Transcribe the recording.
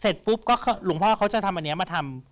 เสร็จปุ๊บก็หลวงพ่อเขาจะทำอันนี้มาทำ